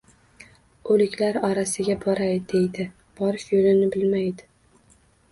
O’liklar orasiga boray deydi — borish yo‘lini bilmaydi.